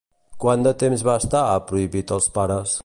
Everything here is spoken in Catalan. Quant de temps va estar a "Prohibit als pares"?